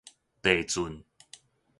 地顫